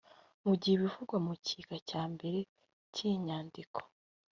mu gihe ibivugwa mu gika cya mbere cy iyi nyandiko